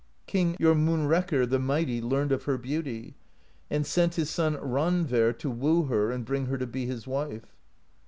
King Jormunrekkr the Mighty learned of her beauty, and sent his son Randver to woo her and bring her to be his wife.